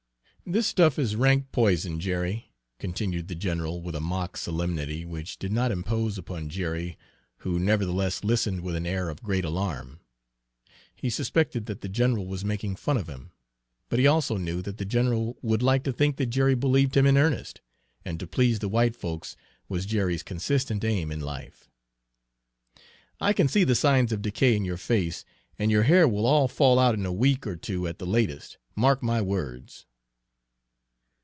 "This stuff is rank poison, Jerry," continued the general with a mock solemnity which did not impose upon Jerry, who nevertheless listened with an air of great alarm. He suspected that the general was making fun of him; but he also knew that the general would like to think that Jerry believed him in earnest; and to please the white folks was Jerry's consistent aim in life. "I can see the signs of decay in your face, and your hair will all fall out in a week or two at the latest, mark my words!"